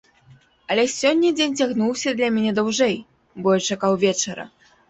Але сёння дзень цягнуўся для мяне даўжэй, бо я чакаў вечара.